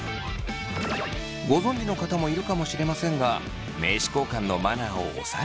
ご存じの方もいるかもしれませんが名刺交換のマナーをおさらい。